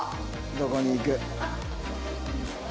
どこに行く？